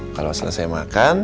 kalau selesai makan